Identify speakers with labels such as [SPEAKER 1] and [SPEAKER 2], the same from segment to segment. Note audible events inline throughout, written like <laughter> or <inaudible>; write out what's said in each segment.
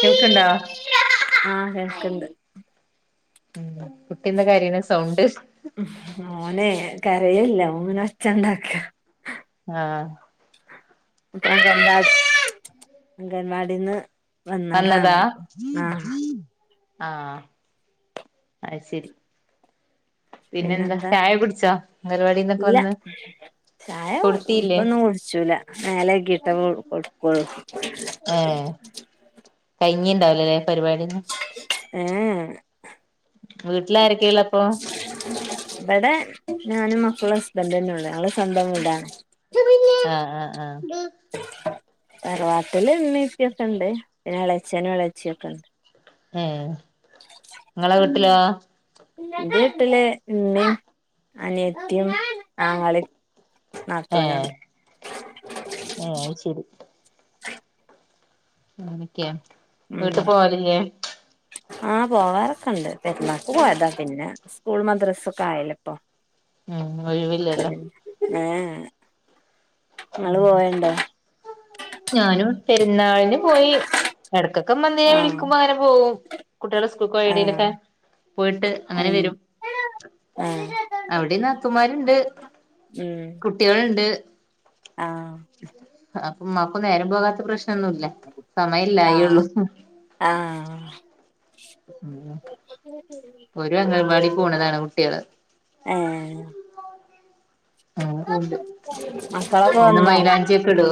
[SPEAKER 1] കേൾക്ക്ണ്ടാ
[SPEAKER 2] ആ കേൾക്ക്ണ്ട്
[SPEAKER 1] ഉം കുട്ടി എന്താ കരിണ സൗണ്ട്
[SPEAKER 2] ഓനെ കരയല്ല ഓൻങ്ങനെ ഒച്ചണ്ടാക്കാ
[SPEAKER 1] ആഹ്
[SPEAKER 2] <unintelligible> അംഗൻവാടിന്ന്
[SPEAKER 1] വന്നതാ
[SPEAKER 2] വന്നതാണ് ആഹ്
[SPEAKER 1] ആ അയ് ശരി
[SPEAKER 2] പിന്നെന്താ
[SPEAKER 1] ചായ കുടിച്ചോ അംഗൽവാടിന്നൊക്കെ
[SPEAKER 2] ഇല്ല
[SPEAKER 1] വന്ന്
[SPEAKER 2] ചായ
[SPEAKER 1] കൊടുത്തില്ലേ
[SPEAKER 2] ഇപ്പൊന്നും കുട്ച്ചൂല മേലെകിട്ടൊക്കെ കൊട് കൊട്ക്കൊള്ളൂ
[SPEAKER 1] ഏ കഴിഞ്ഞിണ്ടാവില ലെ പരിപാടി ഒന്നും
[SPEAKER 2] ഏ ഏ
[SPEAKER 1] വീട്ട്ലാരെക്കെള്ളപ്പോ
[SPEAKER 2] ഇബടെ ഞാനും മക്കളും ഹസ്ബന്റന്നെ ഒള്ളൂ ഞങ്ങള് സ്വന്തം വീട
[SPEAKER 1] ആ ആ ആ
[SPEAKER 2] തറവാട്ട്ല് ഇമ്മീ ഇപ്പി ഒക്കണ്ട് പിന്നെ എളച്ചനും എളച്ചിയൊക്കെ ഇണ്ട്
[SPEAKER 1] ഏഹ് ഇങ്ങളെ വീട്ടിലോ
[SPEAKER 2] ഇന്റെ വീട്ടില് ഇമ്മീ അനിയത്തി ആങ്ങളീം
[SPEAKER 1] ഏ
[SPEAKER 2] നാത്തൂനുണ്ട്
[SPEAKER 1] ഏ അയ് ശരി <unintelligible> ക്ക്യ വീട്ട് പോവാല് ല്ലേ
[SPEAKER 2] ആ പോവാറൊക്കണ്ട് പെര്ന്നാക്ക് പോയതാ പിന്നെ സ്കൂള് മദ്രസ്സൊക്കെ ആയല്ല ഇപ്പം
[SPEAKER 1] ഉം ഒഴിവില്ലല്ലോ
[SPEAKER 2] ഏ ഏ
[SPEAKER 1] ഞാനും പെര്ന്നാൾന് പോയി എടക്കൊക്കെ ഇമ്മ എന്നേം
[SPEAKER 2] ആഹ്
[SPEAKER 1] വിളിക്ക്മ്പോ അങ്ങ പോവും കുട്ടിയള് സ്കൂൾക്കോഴ
[SPEAKER 2] ആഹ്
[SPEAKER 1] എടെലൊക്കെ പോയിട്ട് അങ്ങനെ
[SPEAKER 2] ഉം
[SPEAKER 1] വരും
[SPEAKER 2] ആഹ്
[SPEAKER 1] അവടിം നാത്തൂമാര്ണ്ട്
[SPEAKER 2] ഉം
[SPEAKER 1] കുട്ടിയൾണ്ട്
[SPEAKER 2] ആഹ്
[SPEAKER 1] അപ്പം ഇമ്മാക്കും നേരം പോകാത്ത പ്രശ്നൊന്നുല്ല
[SPEAKER 2] ആഹ്
[SPEAKER 1] സമയല്ലായിയൊള്ളു
[SPEAKER 2] ആഹ്
[SPEAKER 1] ഓര് അംഗൽവാടി പോണതാണ് കുട്ടിയള്
[SPEAKER 2] ഏ
[SPEAKER 1] അങ്ങനപോവ്ണ്ട്
[SPEAKER 2] മക്കളൊക്കെ
[SPEAKER 1] പിന്നെ
[SPEAKER 2] വന്നോ
[SPEAKER 1] മൈലാഞ്ചി ഒക്ക ഇടോ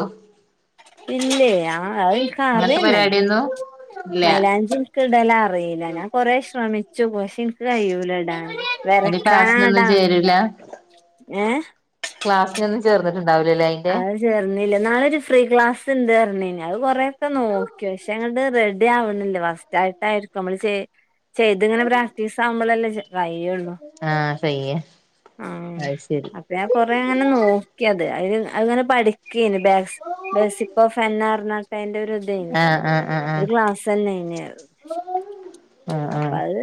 [SPEAKER 2] ഇല്ലേ ആ അഹ് ഇൻക്ക് അറിയന്നല്ല
[SPEAKER 1] പരിപാടിയൊന്നും ഇല്ല
[SPEAKER 2] മൈലാഞ്ചി ഇൻക്ക് ഇടല അറിയില്ല ഞാൻ കൊറെ ശ്രമിച്ചു പക്ഷേ ഇൻക്ക് കയ്യൂലാ ഇടാന്
[SPEAKER 1] അയിന് ക്ലാസ്സിനൊന്നും
[SPEAKER 2] വരക്കാനാടാ
[SPEAKER 1] ചേരൂല
[SPEAKER 2] ഏഹ്
[SPEAKER 1] ക്ലാസിനൊന്നും ചേർന്ന്ട്ടുണ്ടാവൂലല്ലേ
[SPEAKER 2] അഅ് റിഞ്ഞില്ല നാളൊരു ഫ്രീ ക്ലാസ് ഉണ്ട് പറഞ്ഞത് അത് കൊറേ ഒക്കെ നോക്കി പക്ഷെ അങ്ങോട്ട് റെഡി ആവണില്ലേ ഫസ്റ്റ് റ്റായിട്ടായിരിക്കും നമ്മള് ചെയ ചെയ്ത് ഇങ്ങനെ പ്രാക്ടീസ് ആവുമ്പോളല്ലേ കയുള്ളു
[SPEAKER 1] ആ ഫ്രീയാ അത് ശരി
[SPEAKER 2] അപ്പം കൊറേ അങ്ങനെ നോക്കിയത് അതിന് അങ്ങനെ പഠിക്ക കിയേനി ബെയ്സ്ബെയ്സ് ഓഫ് ഹെന്ന അർഞ്ഞാട്ട അതിന്റെ ഒരു
[SPEAKER 1] ആഹ് ആഹ് ആഹ് ആഹ്
[SPEAKER 2] ഴിഞ്ഞുഒരു ക്ലാസ് ന്നെ ഇന
[SPEAKER 1] ആഹ്
[SPEAKER 2] അപ്പ
[SPEAKER 1] ആഹ്
[SPEAKER 2] അത്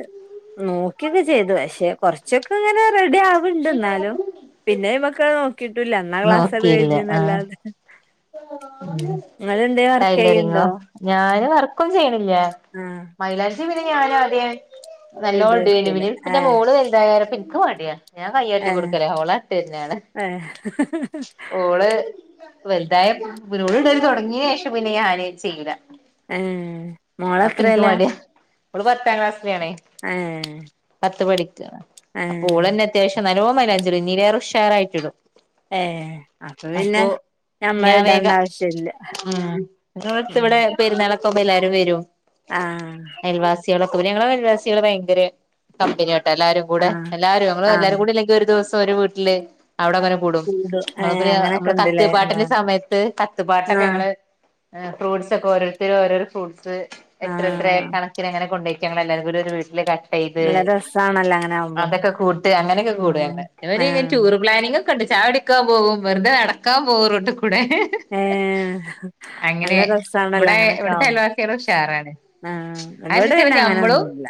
[SPEAKER 2] നോക്കിയൊക്കെ ചെയ്തു പക്ഷെ കുറച്ച് ച്ചക്ക ഇങ്ങനെ റെഡി ആവ്ണ്ട് എന്നാലും പിന്നെ ഐമക്ക് നോക്കിയിട്ടൂല്ല അന്നാ ക്ലാസട് കഴിഞ്ഞിന്നല്ലാതെ
[SPEAKER 1] ഉം
[SPEAKER 2] വർക്ക്
[SPEAKER 1] ടൈലറിങ്ങോ
[SPEAKER 2] ചെയ്യണ്ടോ
[SPEAKER 1] ഞാന് വർക്കൊന്നും ചെയ്യണില്ല
[SPEAKER 2] ആഹ്
[SPEAKER 1] മൈലാഞ്ചി ഞ്ചി പിന്നെ ഞാനാ ആദ്യേ നല്ലോൻ ഇട്
[SPEAKER 2] ഇടുവേക്കൂല
[SPEAKER 1] ആയിരുന്നു പിന്നെ
[SPEAKER 2] ആഹ്
[SPEAKER 1] മോള് വലുതായാപ്പ ഇൻക്ക് മടിയാ ഞാൻ കയ്യാട്ടി
[SPEAKER 2] ആഹ്
[SPEAKER 1] കൊടുക്കലാ ഓളാ ഇട്ടരുന്നാണാ
[SPEAKER 2] ആഹ്
[SPEAKER 1] ഓള് വലു തായ ഓള് ഇടല് തുടങ്ങിയ ശേഷം പിന്നെ ഞാന് ചെയ്യൂല
[SPEAKER 2] ഏഹ്
[SPEAKER 1] അപ്പൊ എനിക്ക്
[SPEAKER 2] മോളെത്രേലാ
[SPEAKER 1] മടിയ ഓള് പത്താം ക്ലാസ്സില ആണേ
[SPEAKER 2] ഏഹ്
[SPEAKER 1] പത്ത് പഠിക്ക അപ്പൊ
[SPEAKER 2] ഏഹ്
[SPEAKER 1] ഓളന്നെ അത്യാവശ്യം നല്ലോണം മയിലാഞ്ചിടും ഇന്നിലേറെ ഉഷാറായിട്ട് ഇടും
[SPEAKER 2] ഏ അപ്പൊ പിന്നെ
[SPEAKER 1] ഞാ
[SPEAKER 2] ഞമ്മള്
[SPEAKER 1] വേഗ
[SPEAKER 2] ഇടണ്ട ആവശ്യല്ല
[SPEAKER 1] ഉം ഇത് ഓളെ എട്ത്ത്
[SPEAKER 2] ഉം
[SPEAKER 1] ഇവിടെ പെരുന്നാളക്കാവുമ്പോ എല്ലാരും വരും
[SPEAKER 2] ആഹ്
[SPEAKER 1] അയൽ വാസികളൊക്കെ ഞങ്ങള അയൽവാസികൾ ഭയങ്കര കമ്പനിയാ കേട്ടോ എല്ലാരും കൂടെ
[SPEAKER 2] ആഹ്
[SPEAKER 1] എല്ലാരും
[SPEAKER 2] ആഹ്
[SPEAKER 1] ഞങ്ങളെല്ലാരും കൂടെ ഒരു ദിവസം ഒരു വീട്ടില് അവിടെങ്ങനെ കൂടും
[SPEAKER 2] ഏഹ് അങ്ങനൊക്കെ
[SPEAKER 1] നമ്മള് കത്ത്
[SPEAKER 2] ഇണ്ട്ല്ലേ ആഹ്
[SPEAKER 1] പാട്ടിൻ്റെ സമയത്ത് കത്ത്പാട്ടൊക്കെ
[SPEAKER 2] ആഹ്
[SPEAKER 1] ഞങ്ങള് ഫ്രൂസ് ഒക്കെ ഓരോരുത്തരും ഓരോരോ ഫ്രൂട്ട്സ് എത്ര എത്ര
[SPEAKER 2] ആഹ്
[SPEAKER 1] കണക്കിന് അങ്ങനെ കൊണ്ടേയ്ക്കാ ഞങ്ങളെല്ലാരും കൂടെ ഒരു വീട്ടില് യ്ത്
[SPEAKER 2] നല്ല രസാണല്ലോ അങ്ങനെ ആവുമ്പോ
[SPEAKER 1] അതൊക്കെ കൂട്ട് അങ്ങനെയൊക്കെ കൂടും
[SPEAKER 2] ഉം
[SPEAKER 1] ഞങ്ങള് ഇവരിങ്ങനെ
[SPEAKER 2] ആഹ്
[SPEAKER 1] ടൂർ പ്ലാനിങ് കണ്ട് ചായ കുടിക്കാ പോകും വെറുതെ നടക്കാ പോകും റോട്ടികൂടെ
[SPEAKER 2] ഏ നല്ല രസാണല്ലോ
[SPEAKER 1] ഇവിടെ
[SPEAKER 2] അങ്ങനെക്കെ
[SPEAKER 1] ഇവിടുത്തെ
[SPEAKER 2] ആവുമ്പോ
[SPEAKER 1] അയൽവാസികള് ഉഷാറാണ്
[SPEAKER 2] ആഹ് ഇവിടെ
[SPEAKER 1] അതെന്താച്ചാല്
[SPEAKER 2] പിന്നെ
[SPEAKER 1] ഞമ്മളും
[SPEAKER 2] അങ്ങനൊന്നുല്ല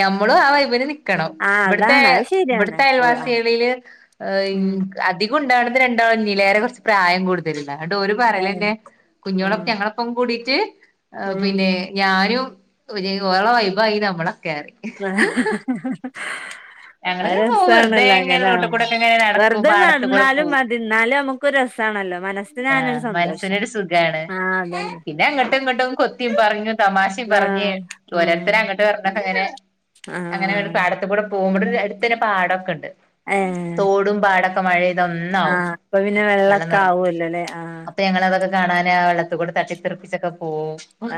[SPEAKER 1] ഞമ്മളും ആ വൈബിന് നിക്കണം
[SPEAKER 2] ആഹ്
[SPEAKER 1] ഇവിടുത്തെ
[SPEAKER 2] അതാണ് അത് ശരിയാണ്
[SPEAKER 1] ഇവിടുത്തെ
[SPEAKER 2] ഓഹ് ആഹ്
[SPEAKER 1] അയൽവാസികളില്
[SPEAKER 2] ഉം
[SPEAKER 1] അധികം ഉണ്ടാണത് രണ്ടാളുന്നെ നിലേറെ കുറച്ച് പ്രായം കൂടുതല് ഇങ്ങട്ട് ഓര്
[SPEAKER 2] ഏഹ്
[SPEAKER 1] പറയലന്നെ
[SPEAKER 2] ഉം
[SPEAKER 1] കുഞ്ഞോളക്ക ഞങ്ങളൊപ്പം കൂടിട്ട്
[SPEAKER 2] ഉം
[SPEAKER 1] പിന്നെ ഞാനും ഓള വൈബായി നമ്മള ഒക്കെ അറിം
[SPEAKER 2] ആഹ് ആ
[SPEAKER 1] ഞങ്ങളിങ്ങനെ പോവും വെറുതെ
[SPEAKER 2] രസാണല്ലോ
[SPEAKER 1] ഇങ്ങനെ
[SPEAKER 2] അങ്ങനെ ആവുമ്പൊ
[SPEAKER 1] റോട്ടിക്കൂടൊക്കെ ഇങ്ങനെ നടക്കും
[SPEAKER 2] വെറുതെ
[SPEAKER 1] പാടത്ത് കൂടെ
[SPEAKER 2] നടന്നാലും
[SPEAKER 1] പോവും
[SPEAKER 2] മതി ന്നാലും നമുക്ക് രസാണല്ലോ മനസ്സിനൊരു
[SPEAKER 1] ആഹ്
[SPEAKER 2] സന്തോഷം
[SPEAKER 1] മനസ്സിനൊരു സുഖാണ്
[SPEAKER 2] ആഹ് അതന്നെ
[SPEAKER 1] പിന്നെ അങ്ങോട്ടും ഇങ്ങോട്ടും കൊത്തിയും പറഞ്ഞു തമാശയും
[SPEAKER 2] അതന്നെ
[SPEAKER 1] പറഞ്ഞ്
[SPEAKER 2] ആഹ് ഉം
[SPEAKER 1] ഓരോരുത്തര അങ്ങോട്ട് വര അങ്ങനെ അങ്ങനെ
[SPEAKER 2] ആഹ്
[SPEAKER 1] പാടത്ത് കൂടെ പോകുമ്പോട അടുത്തന്നെ പാടമൊക്കെ ഉണ്ട്
[SPEAKER 2] ഏഹ്
[SPEAKER 1] തോടും പാടൊക്കെ ക്കെ മഴ പെയ്ത ഒന്നാവും വെള്ളം നിറഞ്ഞ
[SPEAKER 2] ല്ലല്ലെ ആഹ്
[SPEAKER 1] അപ്പൊ ഞങ്ങള അതൊക്കെ കാണാന് ആ വെള്ളത്തൂ ക്കൂടെ തട്ടിത്തെറിപ്പിച്ചൊക്കെ പോവും
[SPEAKER 2] ആ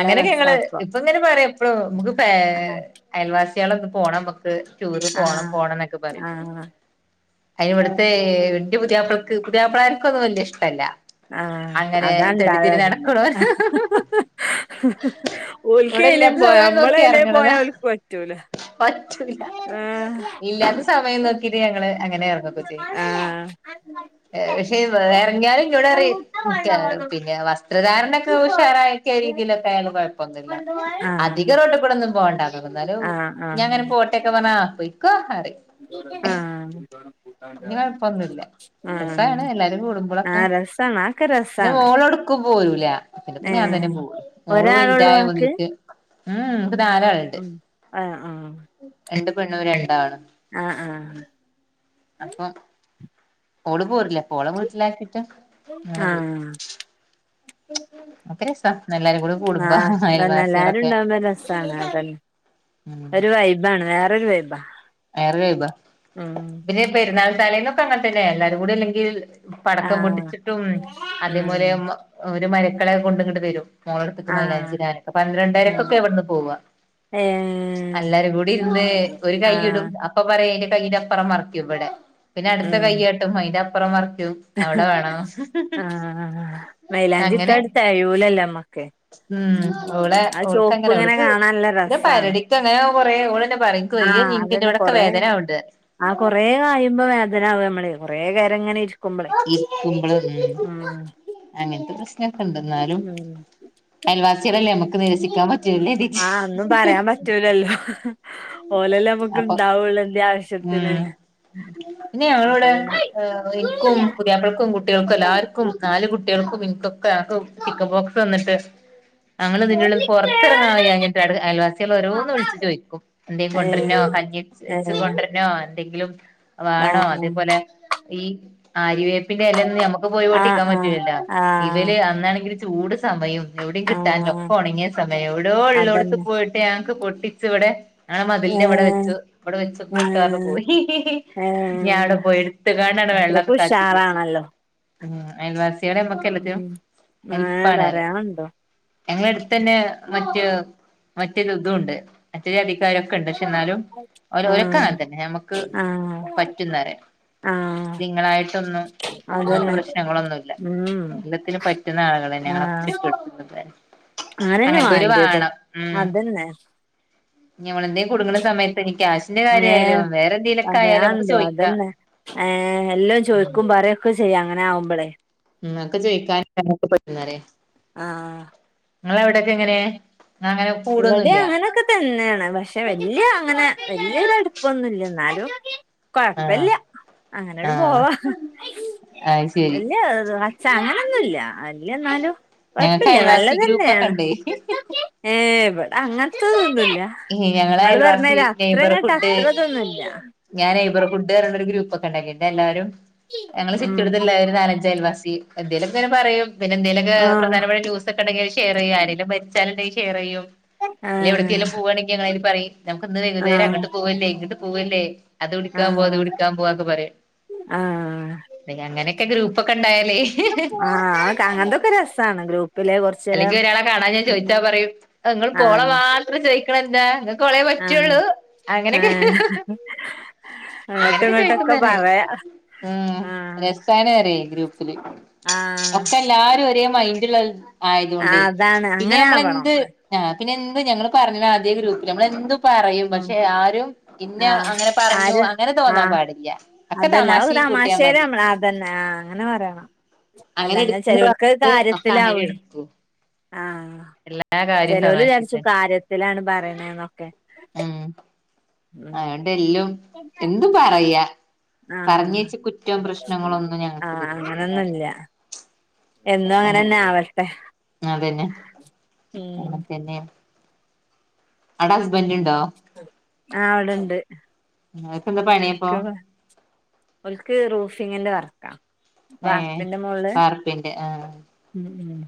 [SPEAKER 1] അങ്ങനെയൊക്കെ ഞങ്ങള് ഇപ്പൊങ്ങനെ പറയാ എപ്പഴും നമുക്ക് പേ
[SPEAKER 2] ആഹ്
[SPEAKER 1] അയൽവാസികളൊക്ക പോണം നമുക്ക് ടൂറ് പോണം
[SPEAKER 2] ആഹ്
[SPEAKER 1] പോണം എന്നൊക്കെ പറയും
[SPEAKER 2] ആഹ്
[SPEAKER 1] അതിനിവിടുത്തെ വലിയ പുതിയാപ്പളക്ക് പുതിയാപ്പളാർക്കൊന്നും വലിയ ഇഷ്ടല്ല
[SPEAKER 2] ആഹ്
[SPEAKER 1] അങ്ങനെ
[SPEAKER 2] അതാണ്ടാവാ
[SPEAKER 1] തെണ്ടിത്തിരി
[SPEAKER 2] പിന്നെ
[SPEAKER 1] നടക്കണോര് ഇവിടെ
[SPEAKER 2] ഓല്ക്കേലയും
[SPEAKER 1] ഇല്ലാത്ത
[SPEAKER 2] പോവാ. നമ്മളെ ഏലെങ്കിലും പോയാ ഓല്ക്ക് പറ്റൂല.
[SPEAKER 1] പറ്റൂല്ല.
[SPEAKER 2] ആഹ്
[SPEAKER 1] ഇല്ലാത്ത സമയം നോക്കിട്ട് ഞങ്ങള് അങ്ങനെ എറങ്ങുംക ചെയ്യും.
[SPEAKER 2] ആഹ്
[SPEAKER 1] പക്ഷെ ഇറങ്ങിയാലും എന്നോട് പറയും. പിന്നെ വസ്ത്രധാരണ. ഉഷാറക്ക രീതിയിലാക്കിയാലും കുഴപ്പൊന്നുമില്ല.
[SPEAKER 2] ആഹ്
[SPEAKER 1] അധികം റോട്ടിൽ കൂടന്നും പോവണ്ട. എനലും
[SPEAKER 2] ആഹ്
[SPEAKER 1] ഞാൻ
[SPEAKER 2] ആഹ്
[SPEAKER 1] അങ്ങനെ പോട്ടന്നൊക്കെ പറഞ്ഞാ ആ പോയിക്കോ എന്ന് പറയും.
[SPEAKER 2] ആഹ
[SPEAKER 1] രസമാണ് എല്ലാരും കൂടുമ്പോളൊക്കെ.
[SPEAKER 2] രസാണ് അതൊക്കെ
[SPEAKER 1] പിന്നെ
[SPEAKER 2] രസാണ്
[SPEAKER 1] മോളൊടുക്കും പോരൂല്ല. പിന്നപ്പോ ഞാൻ തന്നെ
[SPEAKER 2] ഏഹ്
[SPEAKER 1] പോ മോള്
[SPEAKER 2] ഒരാളൊള്ളൂ
[SPEAKER 1] വലതായോണ്ട്
[SPEAKER 2] ഇങ്ങക്ക്
[SPEAKER 1] ഓല്ക്ക്. ഉം എനിക്ക് നാലാളുണ്ട്.
[SPEAKER 2] ഉം ആഹ് ആഹ്
[SPEAKER 1] രണ്ട് പെണ്ണും രണ്ടാണും.
[SPEAKER 2] ആ ആ
[SPEAKER 1] അപ്പൊ ഓള് പോരുല്ല. ഓളെ വീട്ടിലാക്കിട്ട് അങ്ങനെ പോ
[SPEAKER 2] ആഹ്
[SPEAKER 1] അത്ര്രസാ
[SPEAKER 2] ആ തന്നെ എല്ലാരുംണ്ടാവുമ്പോ രസമാണ് അതന്നെ
[SPEAKER 1] ഉം
[SPEAKER 2] ഒരു വൈബ് ആണ് വേറൊരു വൈബാ
[SPEAKER 1] വേറൊരു വൈബാ.
[SPEAKER 2] ഉം
[SPEAKER 1] ഇ പെരുന്നാൾ തലേന്നൊക്കെ അങ്ങനെത്തന്നെയാ. എല്ലാരും കൂടെ അല്ലങ്കിൽ പടക്കം
[SPEAKER 2] ആഹ്
[SPEAKER 1] പൊട്ടിച്ചിട്ടും, അതേ
[SPEAKER 2] ഉം
[SPEAKER 1] പോലെ ഒരു മരക്കളെ കൊണ്ട് കെങ്ങോട്ട് വരും. മോളെടുത്ക്ക്
[SPEAKER 2] ആഹ്
[SPEAKER 1] മയിലാഞ്ചിഇടന്
[SPEAKER 2] ആഹ്
[SPEAKER 1] പന്ത്രണ്ടരക്കൊക്കെ ഇവിടുന്ന് പോവ.
[SPEAKER 2] ഏഹ്
[SPEAKER 1] എല്ലാരും കൂടി ഇരുന്ന് ഒരു കൈ ഇടും.
[SPEAKER 2] ആഹ്
[SPEAKER 1] അപ്പൊ പറയാ അന്റെ കയ്യിന്റെപ്പുറം മറിക്കും ഇവിടെ. പിന്നെ അടുത്ത കൈയ്യിൽ ഇടും അതിനെ അപ്പുറം മറിക്കും. അവിടെ വേണം
[SPEAKER 2] ആ
[SPEAKER 1] അങ്ങനെ
[SPEAKER 2] മൈലാഞ്ചിട്ടാൽ തെകയൂല്ലല്ലോ നമ്മക്ക്.
[SPEAKER 1] ഉം അവള്
[SPEAKER 2] ആ
[SPEAKER 1] അവൾക്ക്
[SPEAKER 2] ചോപ്പ്
[SPEAKER 1] അങ്ങനെ,
[SPEAKER 2] ഇങ്ങനെ
[SPEAKER 1] അവൾക്ക്
[SPEAKER 2] കാണാൻ നല്ല
[SPEAKER 1] പിന്നെ
[SPEAKER 2] രസാണ്
[SPEAKER 1] പൊരടിക്ക് അങ്ങനെ കൊറേ ഓളന്നെ പറയും. എനിക്ക് വയ്യ
[SPEAKER 2] ആഹ്
[SPEAKER 1] എണീക്കാൻ എനിക്ക്
[SPEAKER 2] അതന്നെ
[SPEAKER 1] അവിടൊക്കെ
[SPEAKER 2] കൊറേ
[SPEAKER 1] വേദന ഉണ്ട്.
[SPEAKER 2] ആ കുറേ കഴിയുമ്പോ വേദന ആവും നമ്മളൊ കൊറെ നേരം ഇങ്ങനെ. ഇരിക്കുമ്പളേ
[SPEAKER 1] ഇരിക്കുമ്പോൾ ഉം അങ്ങനത്തെ പ്രശ്നൊക്കെ ഉണ്ട്. എന്നാലും
[SPEAKER 2] ഉം
[SPEAKER 1] അയൽവാസികളല്ലേ നമ്മുക്ക് നിരസിക്കാൻ പറ്റൂല്ലല്ലോ.
[SPEAKER 2] പറ്റു ല്ലല്ലോ ഓലല്ലേ നമുക്ക്
[SPEAKER 1] അപ്പൊ
[SPEAKER 2] ഉണ്ടാവുള്ളൂ എന്ത് ആവശ്യത്തിന്.
[SPEAKER 1] ഉം പിന്നെ
[SPEAKER 2] അപ്പൊ
[SPEAKER 1] ഞങ്ങളോടെ
[SPEAKER 2] പിന്നെ
[SPEAKER 1] എനിക്കും പുതിയാപ്പൾക്കും കുട്ടികൾക്കും എല്ലാർക്കും. കും നാല് കുട്ടികൾക്കും എനിക്കൊക്കെ ആ ചിക്കൻ ബോക്സ് വന്നിട്ട്. ഞങ്ങള് ഇതിന്റെുള്ളുന്ന് പുറത്തിറങ്ങാഞ്ഞിട്ട് അയൽവാസികൾ ഒരോന്ന് വിളിച്ച് ചോദിക്കും. എന്തേലും കൊണ്ടരണോ.
[SPEAKER 2] ഏഹ്
[SPEAKER 1] കഞ്ഞി വെച്ച്
[SPEAKER 2] ഏഹ്
[SPEAKER 1] കൊണ്ടുവരണോന്ന്. എന്തെങ്കിലും വേണോ.
[SPEAKER 2] ആഹ്
[SPEAKER 1] അതേപോലെ ഈ അരിവേപ്പിന്റെ ഇലയൊന്നും നമുക്ക് പോയി
[SPEAKER 2] ആഹ്
[SPEAKER 1] പൊട്ടിക്കാൻ പറ്റില്ലല്ലോ.
[SPEAKER 2] ആഹ് ആഹ്
[SPEAKER 1] ഇവല് അന്നാണെങ്കില് ചൂട് സമയം. എവിടെയും കിട്ടാനില്ല
[SPEAKER 2] ആഹ്
[SPEAKER 1] ഒക്കെ ഉണങ്ങിയ സമയം. എവിടയോ ഉള്ളോടത്ത്
[SPEAKER 2] അതന്നെ
[SPEAKER 1] പോയിട്ട് ഞങ്ങക്ക് പൊട്ടിച്ചു ഇവിടെ ഞങ്ങളെ മതിലന്റെ അവിടെ
[SPEAKER 2] ഏഹ്
[SPEAKER 1] വെച്ചു. അവിടെ വെച്ചിട്ടുണ്ട് എന്ന് പറഞ്ഞ്
[SPEAKER 2] ഏഹ്
[SPEAKER 1] പോയി. ഞാൻ
[SPEAKER 2] ഏഹ്
[SPEAKER 1] അവിടെ പോയി എടുത്ത കൊണ്ട് അവിടെ വെള്ളമൊക്കെ
[SPEAKER 2] അത്രക്ക്
[SPEAKER 1] കാച്ചി കുടിച്ച്
[SPEAKER 2] ഉഷാറാണല്ലോ
[SPEAKER 1] അയൽവാസിയോടെമ്മ എന്തിനും
[SPEAKER 2] ഉം
[SPEAKER 1] ഹെൽപ്പ്
[SPEAKER 2] ഏഹ്
[SPEAKER 1] ആണവരാ
[SPEAKER 2] പറയാനുണ്ടോ
[SPEAKER 1] ഞങ്ങള അടുത്ത് തന്നെ മറ്റ് മറ്റേ ഇതും ഉണ്ട്. കിക്കാരൊക്കെ ഉണ്ട് പക്ഷെ എന്നാലും അവര് ഓരൊക്കെ
[SPEAKER 2] ആഹ്
[SPEAKER 1] തന്നെ നമുക്ക്
[SPEAKER 2] ആഹ്
[SPEAKER 1] പറ്റുന്നവരാ.
[SPEAKER 2] ആഹ്
[SPEAKER 1] നിങ്ങളായിട്ടൊന്നും. അങ്ങനത്തെ
[SPEAKER 2] അതന്നെ
[SPEAKER 1] പ്രശ്നങ്ങളൊന്നുമില്ല.
[SPEAKER 2] ഉം
[SPEAKER 1] എല്ലാത്തിന് പറ്റുന്ന ആളുകള് തന്നെ. ഞങ്ങള
[SPEAKER 2] ആഹ്
[SPEAKER 1] ചുറ്റ് വട്ടത്ത്ഒകൊക്ക
[SPEAKER 2] അങ്ങനെന്നെ
[SPEAKER 1] അങ്ങനത്തോരു
[SPEAKER 2] വാണ്ടിയതും
[SPEAKER 1] വേണം. ഉം
[SPEAKER 2] അതന്നെ
[SPEAKER 1] ഞമ്മളെന്തങ്കിലും കുടുങ്ങുന്ന സമയത്ത് കശ്
[SPEAKER 2] ഏഹ പറയാനുണ്ടോ.
[SPEAKER 1] ചോദിക്കാം
[SPEAKER 2] അതെന്നെ ഏഎല്ലാം ചോദിക്കും പറയാ ഒക്കെ ചെയ്യാം അങ്ങനെ ആകുമ്പളേ.
[SPEAKER 1] ഓക്കൊ ചോയിക്കാനൊക്കെ പറ്റൂന്ന് നോര
[SPEAKER 2] ആഹ്
[SPEAKER 1] നിങ്ങളെ അവിടൊക്കെ എങ്ങനെയ. അങ്ങനെ
[SPEAKER 2] ഇവിടെ
[SPEAKER 1] കൂടൊന്നുംല്ല
[SPEAKER 2] അങ്ങനൊക്കെതന്നേണ്. പക്ഷെ വല്യ ങ്ങനെ വല്യരട്പ്പൊന്നുല്യന്നാലും.
[SPEAKER 1] ആഹ്
[SPEAKER 2] കൊഴപ്പല്യ അങ്ങനട്
[SPEAKER 1] ആഹ്
[SPEAKER 2] പോവാ
[SPEAKER 1] അത് ശരി
[SPEAKER 2] ഇല്ല അങ്ങനൊന്നുല്ല വല്യന്നാലും
[SPEAKER 1] ഞങ്ങക്ക്
[SPEAKER 2] കൊഴപ്പല്ല്യ
[SPEAKER 1] അയൽവാസി ഗ്രൂപ്പൊക്കെ
[SPEAKER 2] നല്ലതെന്നേണ്
[SPEAKER 1] ഇണ്ടേ
[SPEAKER 2] ഏഹ് വടെ അങ്ങൻത്തതൊന്നുല്ല്യ
[SPEAKER 1] ഞങ്ങളെ
[SPEAKER 2] ങ്ങള്
[SPEAKER 1] അയൽവാസി
[SPEAKER 2] പറഞ്ഞാരി അത്രങ്ങട്ട് അത്രതൊന്നുല്ല
[SPEAKER 1] ഞാന് നൈബർ ഹുഡ് ർഞ്ഞാണ്ടൊര് ഒരു ഗ്രൂപ്പൊക്കെണ്ടാക്കിട്ടെല്ലാരും. ഞങ്ങളെ
[SPEAKER 2] ഉം
[SPEAKER 1] ചിറ്റൊട്ടത്ത്ള്ള ഒര് നാല ന്റയൽവാസി എന് പറയും പിന്നെ എന്തേലൊക്കെ
[SPEAKER 2] ആഹ്
[SPEAKER 1] പ്രധാനപ്പെട്ട ക്കെണ്ടെങ്കില് ഷെയറെയ്യാ. ആരേലും മര്ച്ചാല്ണ്ടെങ്കി ഷെയറെയ്യും. അല്ലെ
[SPEAKER 2] ആഹ്
[SPEAKER 1] എവിട്ക്കേലും പോവാണെങ്കി ഞങ്ങളയ്ല് പറിം. ഞമ്മക്ക് ഇന്ന് വൈകുന്നേരം
[SPEAKER 2] ആഹ്
[SPEAKER 1] അങ്ങട്ട് പോവല്ലേ ഇങ്ങട്ട് പോവല്ലേ. അത് കുടിക്കാൻ പോ അത്
[SPEAKER 2] ആഹ്
[SPEAKER 1] കുടിക്കാൻ പോവാക്കെ പറിം
[SPEAKER 2] ആഹ്
[SPEAKER 1] അങ്ങനൊക്കെ ഗ്രൂപ്പൊക്കെണ്ടായാല്
[SPEAKER 2] ആഹ് അങ്ങനത്തൊക്കെ രസാണ് ഗ്രൂപ്പിലെ കൊർ
[SPEAKER 1] അല്ലെങ്കി ഒരാളെ കാണാഞ്ഞാ ചോയ്ച്ചാ പറയും ഔ ങ്ങള് പോള
[SPEAKER 2] ആഹ്
[SPEAKER 1] മാത്രം ചോയ്ക്ക്ണെന്താ? ങ്ങക്കോളെ
[SPEAKER 2] ആഹ്
[SPEAKER 1] പറ്റുള്ളൂ അങ്ങനൊക്കെ
[SPEAKER 2] ആഹ് അങ്ങട്ടും
[SPEAKER 1] അങ്ങനൊക്കെ
[SPEAKER 2] ഇങ്ങട്ടൊക്കെ
[SPEAKER 1] ചോയ്ക്കുന്നന്.
[SPEAKER 2] പറയാ
[SPEAKER 1] ഉം
[SPEAKER 2] ആഹ്
[SPEAKER 1] രസാണറിയ് ഗ്രൂപ്പ്‌
[SPEAKER 2] ആഹ്
[SPEAKER 1] ഒക്കെ എല്ലാരും ഒരേ മൈന്റ്ള്ള ആയതോണ്ടെ
[SPEAKER 2] ആഹ് അതാണ്
[SPEAKER 1] പിന്നെ
[SPEAKER 2] അങ്ങനെ ആവണം
[SPEAKER 1] ഞമ്മളെന്ത്‌ ആ പിന്നെ എന്ത് ഞങ്ങള് പറഞ്ഞതാ ആദ്യെ ഗ്രൂപ്പില് നമ്മളെന്തും പറയും.
[SPEAKER 2] ഉം
[SPEAKER 1] പക്ഷെ ആരും ഇന്നെ
[SPEAKER 2] ആഹ്
[SPEAKER 1] അങ്ങനെ പറഞ്ഞു അങ്ങനെ തോന്നാൻ പാടില്ല. ഒക്കെ
[SPEAKER 2] അതല്ല അയ്
[SPEAKER 1] തമാശീ കൂട്ടിയാ
[SPEAKER 2] തമാശ്ശേല്
[SPEAKER 1] മതി
[SPEAKER 2] നമ്മള അതെന്നെ ആ ങ്ങനെ പറയണം അല്ലാഞ്ഞാ ചെലോൽക്കത് കാര്യത്തിലാവോയ്‌
[SPEAKER 1] ഉം
[SPEAKER 2] ആഹ് ചെലോല് യാര്ച്ചും
[SPEAKER 1] തന്നെ
[SPEAKER 2] കാര്യത്തിലാണ് പറിണെന്നൊക്കെ.
[SPEAKER 1] ഉം അയോണ്ടെല്ലും എന്തും പറയാ
[SPEAKER 2] ആഹ്
[SPEAKER 1] പറഞ്ഞേച്ച് കുറ്റം പ്രശ്നങ്ങളൊന്നും ഞങ്ങക്ക്
[SPEAKER 2] ആഹ്
[SPEAKER 1] ഇതിലില്ലാന്ന് പറയാ
[SPEAKER 2] അങ്ങനൊന്നുല്ല. എന്നും അങ്ങനെന്നെ ആവട്ടെ
[SPEAKER 1] അതെന്നെ
[SPEAKER 2] ഉം
[SPEAKER 1] അങ്ങനെ തന്നെ അടെ ഹസ്ബൻഡ് ണ്ടോ?
[SPEAKER 2] ആഹ് വടെണ്ട്
[SPEAKER 1] നിങ്ങൾക്ക് എന്താ പണിയപ്പോ
[SPEAKER 2] എട്ക്ക് ഓൽക്ക് റൂഫിങ്ങിന്റെ വർക്കാ
[SPEAKER 1] ഏഹ്
[SPEAKER 2] വാർപ്പിന്റെ മോള്
[SPEAKER 1] വാർപ്പിന്റെ ആഹ്
[SPEAKER 2] ഉം ഉം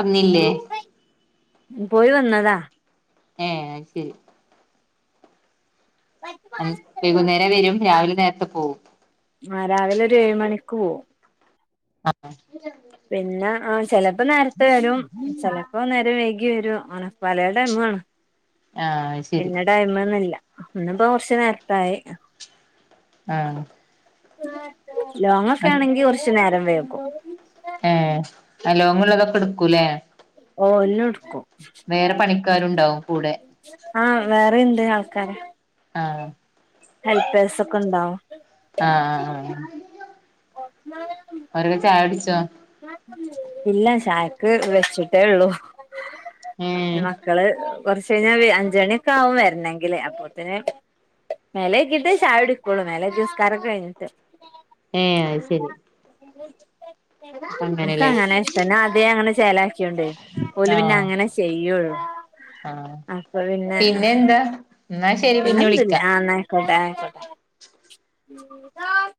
[SPEAKER 1] വന്നീല്ലേ?
[SPEAKER 2] പോയി വന്നതാ
[SPEAKER 1] ഏ അയ് ശരി.
[SPEAKER 2] <unintelligible>
[SPEAKER 1] വൈകുന്നേരം വരും രാവിലെ നേരത്തെ പോവും
[SPEAKER 2] ആഹ്. രാവിലൊരു ഏഴ് മണിക്ക് പോവും.
[SPEAKER 1] ആഹ്
[SPEAKER 2] പിന്നെ ആ ചെലേപ്പൊ നേരത്തെ വരും ചെലേപ്പൊ നേരം വൈകി വരും ങ്ങനെ പലെ ടൈമു ആണ്
[SPEAKER 1] ആഹ് അത് ശരി
[SPEAKER 2] പിന്നെ ടൈമൊന്നുല്ല ന്ന്പ്പൊ കൊർച്ച് നേരത്തായി
[SPEAKER 1] ആഹ്
[SPEAKER 2] ലോങ്ങൊക്കേണെങ്കി കൊർച്ച് നേരം വൈകും
[SPEAKER 1] ഏ ലോങ്ങ്ള്ളതൊക്കെട്ക്കുലേ?
[SPEAKER 2] ഓ എല്ലുട്ക്കും.
[SPEAKER 1] ക്കാരുണ്ടാവും കൂടെ
[SPEAKER 2] ആഹ്. വേറീണ്ട് ആൾക്കാര്
[SPEAKER 1] ആഹ്
[SPEAKER 2] ഹെൽപ്പേയ്സൊക്കെണ്ടാവും
[SPEAKER 1] ആഹ് ആഹ് ആഹ്
[SPEAKER 2] <unintelligible>
[SPEAKER 1] ഓരൊക്കെ ചായുട്ച്ചോ?
[SPEAKER 2] ഇല്ല ചായക്ക് വെച്ചിട്ടേള്ളൂ
[SPEAKER 1] ഏഹ്
[SPEAKER 2] ക്കള് കൊർചെയ്ഞ്ഞാ അഞ്ചണിക്കാവും വരണെങ്കില് അപ്പൊത്ത്ന് മെലക്കട്ടേ ചായകുടിക്കൊള്ളു മെലെകി നിസ്കാരക്കെഴിഞ്ഞിട്ട്
[SPEAKER 1] ഏഹ ശരി അപ്പ
[SPEAKER 2] നിനക്ക്
[SPEAKER 1] അങ്ങനെല്ലേ
[SPEAKER 2] അങ്ങനെ ഇഷ്ടം ആദ്യ അങ്ങനെ ചേലാക്കിയൊണ്ട് ഓല്പിന്നെ
[SPEAKER 1] ആഹ്
[SPEAKER 2] അങ്ങനെ ചെയ്യുള്ളു
[SPEAKER 1] ആഹ്
[SPEAKER 2] അപ്പൊ പിന്നെ
[SPEAKER 1] പിന്നെന്താ എന്നാ ശരി പിന്നെ
[SPEAKER 2] പിന്നെന്നുല്ല
[SPEAKER 1] വിളിക്കാ
[SPEAKER 2] ആ ആയിക്കോട്ട <unintelligible>